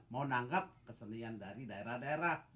mau nanggap kesenian dari daerah daerah